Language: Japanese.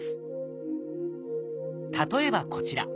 例えばこちら。